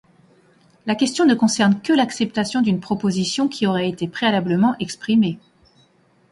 La question ne concerne que l'acceptation d'une proposition qui aurait été préalablement exprimée.